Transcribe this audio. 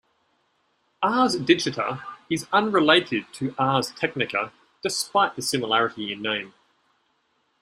ArsDigita is unrelated to Ars Technica, despite the similarity in name.